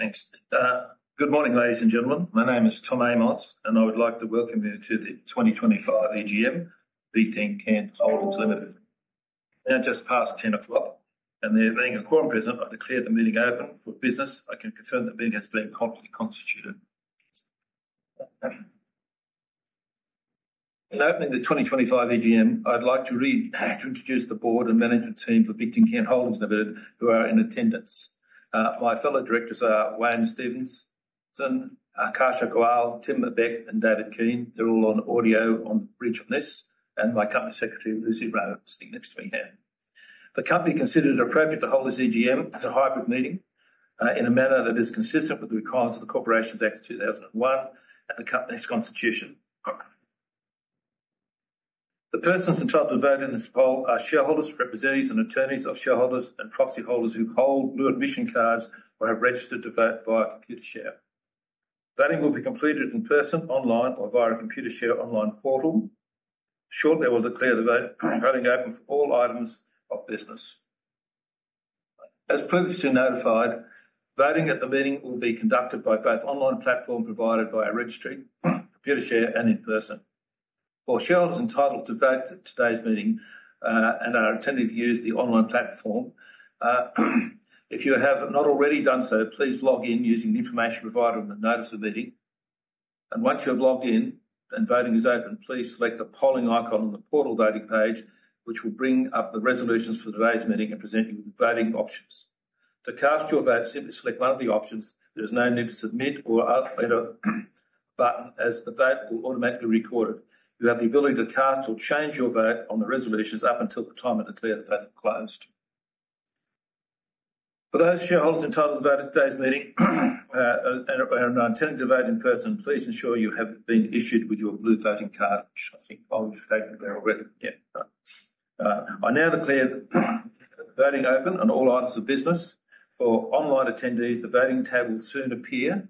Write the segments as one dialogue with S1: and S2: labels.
S1: Thanks. Good morning, ladies and gentlemen. My name is Tom Amos, and I would like to welcome you to the 2025 AGM, Bigtincan Holdings Limited. Now just past 10:00 A.M., and the having a quorum present, I declare the meeting open for business. I can confirm the meeting has been promptly constituted. In opening the 2025 AGM, I'd like to read to introduce the board and management team for Bigtincan Holdings Limited, who are in attendance. My fellow directors are Wayne Stevenson, Akash Goyal, Tim Ebbeck, and David Keane. They're all on audio on the bridge on this, and my company secretary, Lucy Rowe, sitting next to me here. The company considered appropriate to hold this AGM as a hybrid meeting in a manner that is consistent with the requirements of the Corporations Act 2001 and the company's constitution. The persons entitled to vote in this poll are shareholders, representatives, and attorneys of shareholders and proxy holders who hold blue admission cards or have registered to vote via Computershare. Voting will be completed in person, online, or via a Computershare online portal. Shortly, I will declare the voting open for all items of business. As previously notified, voting at the meeting will be conducted by both online platform provided by our registry, Computershare, and in person. For shareholders entitled to vote at today's meeting and are intending to use the online platform, if you have not already done so, please log in using the information provided in the Notice of Meeting. Once you have logged in and voting is open, please select the polling icon on the portal voting page, which will bring up the resolutions for today's meeting and present you with the voting options. To cast your vote, simply select one of the options. There is no need to submit or enter a button, as the vote will automatically be recorded. You have the ability to cast or change your vote on the resolutions up until the time I declare the voting closed. For those shareholders entitled to vote at today's meeting and are intending to vote in person, please ensure you have been issued with your blue voting card, which I think I've taken there already. Yeah. I now declare the voting open on all items of business. For online attendees, the voting table will soon appear.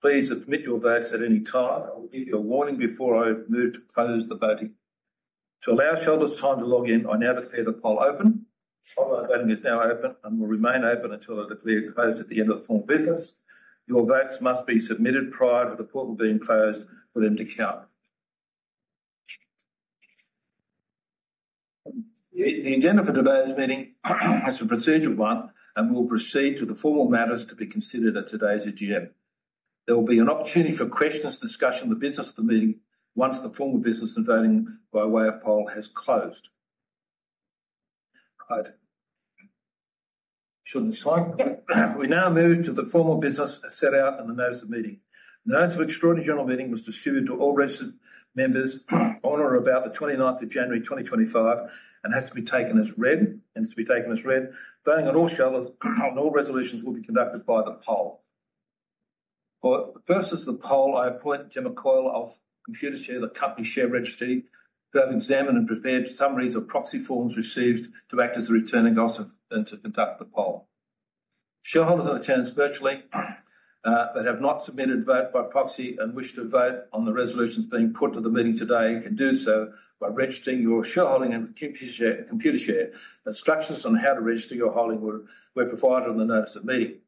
S1: Please submit your votes at any time. I will give you a warning before I move to close the voting. To allow shareholders time to log in, I now declare the poll open. Online voting is now open and will remain open until I declare closed at the end of the form of business. Your votes must be submitted prior to the portal being closed for them to count. The agenda for today's meeting has a procedural one and will proceed to the formal matters to be considered at today's AGM. There will be an opportunity for questions and discussion of the business of the meeting once the formal business and voting by way of poll has closed. Right. Show the next slide. We now move to the formal business set out in the Notice of Meeting. The Notice of Extraordinary General Meeting was distributed to all registered members on or about the 29th of January, 2025, and has to be taken as read. It is to be taken as read. Voting on all shareholders and all resolutions will be conducted by the poll. For the purposes of the poll, I appoint Jim Doyle of Computershare, the company share registry, who have examined and prepared summaries of proxy forms received to act as the returning officer and to conduct the poll. Shareholders that attend virtually but have not submitted vote by proxy and wish to vote on the resolutions being put to the meeting today can do so by registering your shareholding in Computershare. Instructions on how to register your holding were provided in the Notice of Meeting.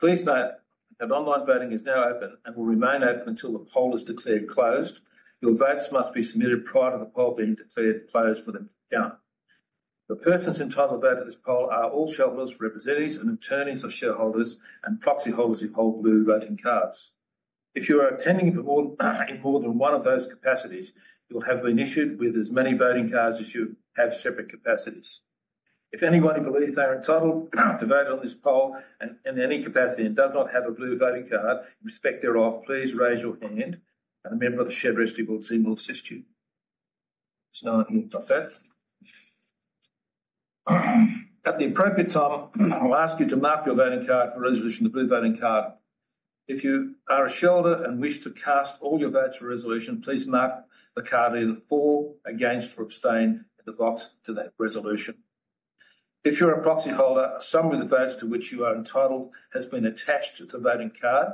S1: Please note that online voting is now open and will remain open until the poll is declared closed. Your votes must be submitted prior to the poll being declared closed for them to count. The persons entitled to vote at this poll are all shareholders, representatives, and attorneys of shareholders and proxy holders who hold blue voting cards. If you are attending in more than one of those capacities, you'll have been issued with as many voting cards as you have separate capacities. If anybody believes they are entitled to vote on this poll in any capacity and does not have a blue voting card, respect thereof. Please raise your hand, and a member of the share registry will assist you. There's no one here. Got that? At the appropriate time, I'll ask you to mark your voting card for resolution, the blue voting card. If you are a shareholder and wish to cast all your votes for resolution, please mark the card either for, against, or abstain at the box to that resolution. If you're a proxy holder, a summary of the votes to which you are entitled has been attached to the voting card.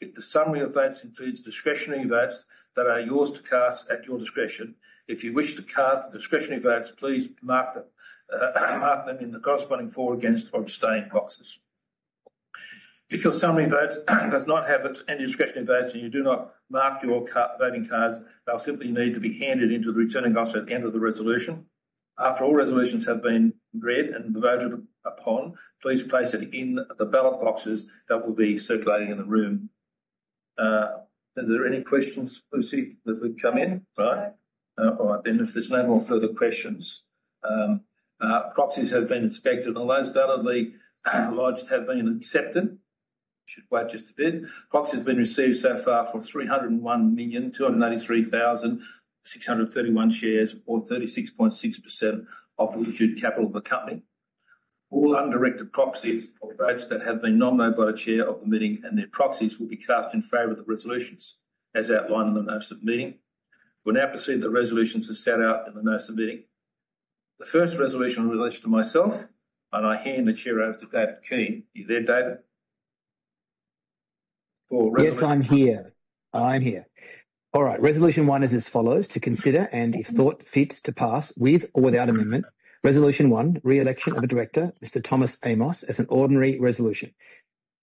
S1: If the summary of votes includes discretionary votes that are yours to cast at your discretion, if you wish to cast discretionary votes, please mark them in the corresponding for, against, or abstain boxes. If your summary vote does not have any discretionary votes and you do not mark your voting cards, they'll simply need to be handed into the returning office at the end of the resolution. After all resolutions have been read and voted upon, please place it in the ballot boxes that will be circulating in the room. Is there any questions, Lucy, that have come in? Right. All right. If there's no more further questions, proxies have been inspected, and those that are the largest have been accepted. Should wait just a bit. Proxies have been received so far for 301,283,631 shares, or 36.6% of the issued capital of the company. All undirected proxies or votes that have been nominated by the chair of the meeting and their proxies will be cast in favour of the resolutions, as outlined in the Notice of Meeting. We'll now proceed to the resolutions as set out in the Notice of Meeting. The first resolution relates to myself, and I hear the chair over to David Keane. Are you there, David? For resolutions.
S2: Yes, I'm here. I'm here. All right. Resolution one is as follows: to consider, and if thought fit, to pass with or without amendment. Resolution one, re-election of a director, Mr. Thomas Amos, as an ordinary resolution.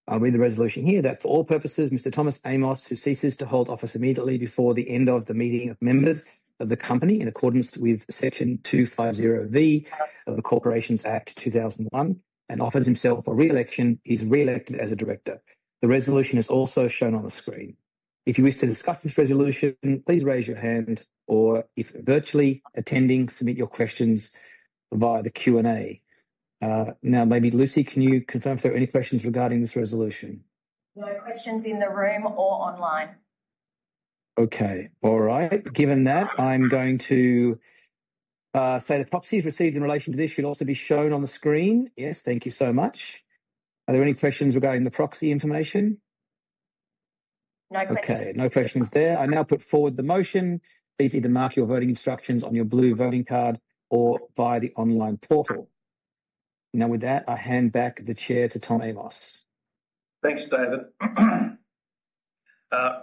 S2: I'll read the resolution here that for all purposes, Mr. Thomas Amos, who ceases to hold office immediately before the end of the meeting of members of the company in accordance with Section 250V of the Corporations Act 2001 and offers himself for re-election, is re-elected as a director. The resolution is also shown on the screen. If you wish to discuss this resolution, please raise your hand, or if virtually attending, submit your questions via the Q&A. Now, maybe Lucy, can you confirm if there are any questions regarding this resolution?
S3: No questions in the room or online.
S2: Okay. All right. Given that, I'm going to say the proxies received in relation to this should also be shown on the screen. Yes, thank you so much. Are there any questions regarding the proxy information?
S3: No questions.
S2: Okay. No questions there. I now put forward the motion. Please either mark your voting instructions on your blue voting card or via the online portal. Now, with that, I hand back the chair to Tom Amos.
S1: Thanks, David.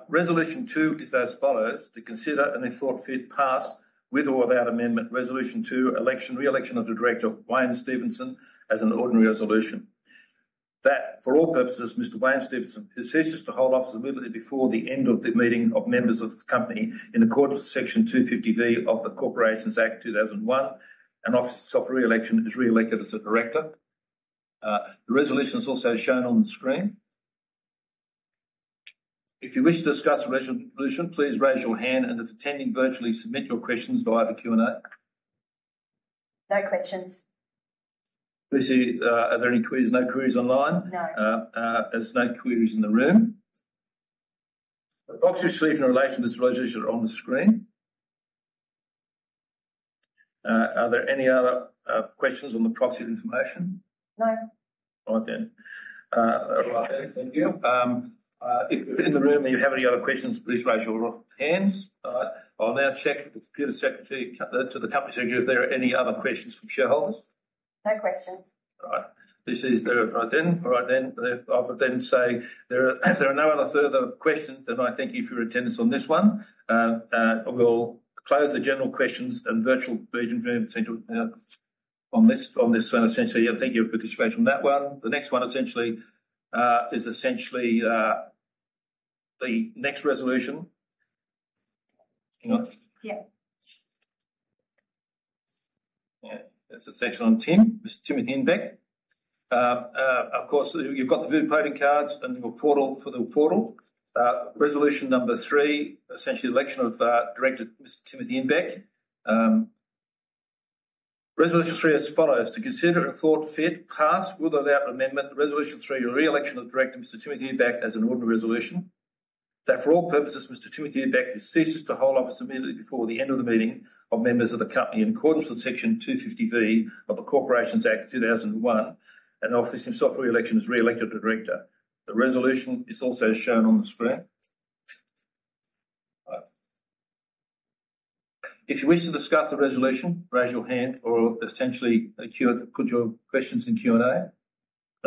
S1: Resolution two is as follows: to consider and, if thought fit, pass with or without amendment, Resolution two, re-election of the director, Wayne Stevenson, as an ordinary resolution. That for all purposes, Mr. Wayne Stevenson who ceases to hold office immediately before the end of the meeting of members of the company in accordance with Section 250V of the Corporations Act 2001 and offers self-re-election, is re-elected as a director. The resolution is also shown on the screen. If you wish to discuss the resolution, please raise your hand, and if attending virtually, submit your questions via the Q&A.
S3: No questions.
S1: Lucy, are there any queries? No queries online?
S3: No.
S1: There's no queries in the room. The proxies received in relation to this resolution are on the screen. Are there any other questions on the proxy information?
S3: No.
S1: All right then. All right then, thank you. If you're in the room and you have any other questions, please raise your hands. All right. I'll now check with the company secretary if there are any other questions from shareholders.
S3: No questions.
S1: All right. Lucy, is there a... All right then. I'll then say there are no other further questions, and I thank you for your attendance on this one. We'll close the general questions and virtual meeting room on this one. Essentially, I thank you for participating on that one. The next one essentially is essentially the next resolution.
S3: Yeah.
S1: That's essentially on Tim, Mr. Timothy Ebbeck. Of course, you've got the blue voting cards and the portal for the portal. Resolution number three, essentially election of director, Mr. Timothy Ebbeck. Resolution three as follows: to consider and thought fit, pass with or without amendment, Resolution three, re-election of director, Mr. Timothy Ebbeck, as an ordinary resolution. That for all purposes, Mr. Timothy Ebbeck who ceases to hold office immediately before the end of the meeting of members of the company in accordance with Section 250V of the Corporations Act 2001 and offers himself for re-election as re-elected director. The resolution is also shown on the screen. If you wish to discuss the resolution, raise your hand or essentially put your questions in Q&A. Are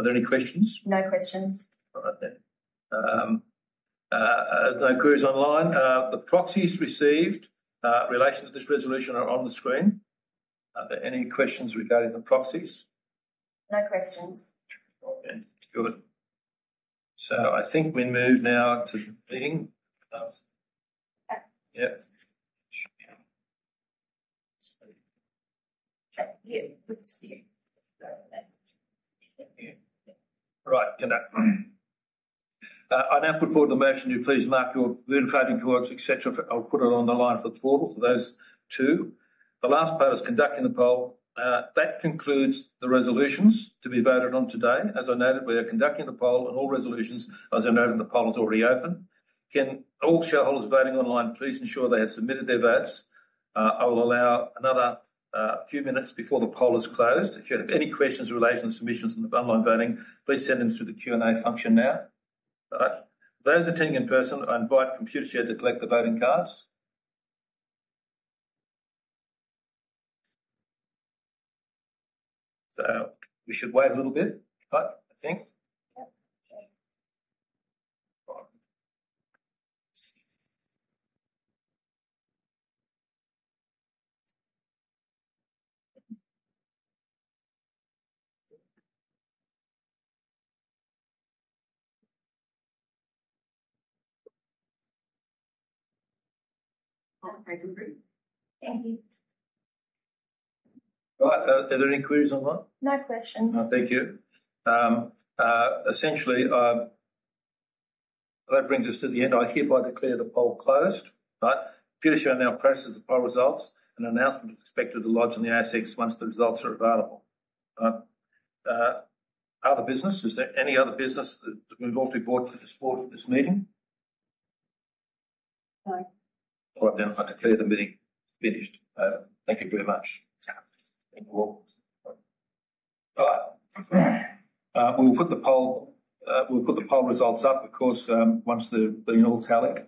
S1: there any questions?
S3: No questions.
S1: All right then. No queries online. The proxies received in relation to this resolution are on the screen. Are there any questions regarding the proxies?
S3: No questions.
S1: All right then. Good. I think we move now to the meeting.
S3: Okay.
S1: Yep. All right. I now put forward the motion you please mark your voting card in clerks, etc. I'll put it on the line for the portal for those too. The last part is conducting the poll. That concludes the resolutions to be voted on today. As I noted, we are conducting the poll and all resolutions, as I noted, the poll is already open. Can all shareholders voting online, please ensure they have submitted their votes. I will allow another few minutes before the poll is closed. If you have any questions in relation to submissions and the online voting, please send them through the Q&A function now. All right. Those attending in person, I invite Computershare to collect the voting cards. We should wait a little bit, I think.
S3: Yep. Thank you.
S1: All right. Are there any queries online?
S3: No questions.
S1: Thank you. Essentially, that brings us to the end. I hereby declare the poll closed. All right. Computershare now processes the poll results, and an announcement is expected to lodge on the ASX once the results are available. All right. Other business? Is there any other business that we've already brought to the floor for this meeting?
S3: No.
S1: All right then. I declare the meeting finished. Thank you very much. All right. We'll put the poll results up, of course, once they're all tallied.